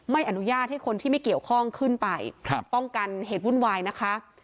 ไม่อนุญาตให้คนที่ไม่เกี่ยวข้องขึ้นไปป้องกันเหตุวุ่นวายนะคะ